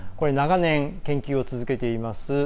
長年研究を続けています